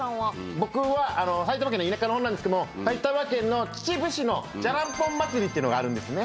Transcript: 僕は埼玉県の田舎のほうなんですけども埼玉県の秩父市のジャランポン祭りっていうのがあるんですね。